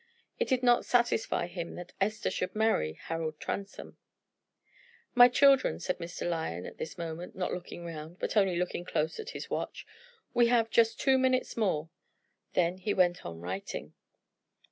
It did not satisfy him that Esther should marry Harold Transome. "My children," said Mr. Lyon at this moment, not looking round, but only looking close at his watch, "we have just two minutes more." Then he went on writing.